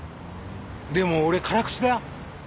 でも俺辛口だよ。